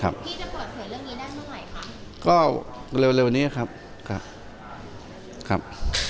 พี่จะเปิดเสร็จเรื่องนี้ได้ไหมครับ